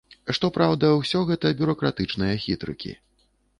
Што праўда, усё гэта бюракратычныя хітрыкі.